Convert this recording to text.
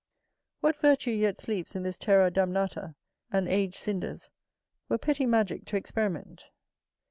What virtue yet sleeps in this terra damnata and aged cinders, were petty magic to experiment.